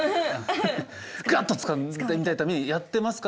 ガッとつかんでみたいために「やってますか？」